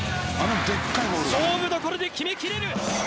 勝負どころで決めきれる。